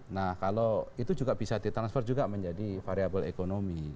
nah kalau itu juga bisa ditransfer juga menjadi variable ekonomi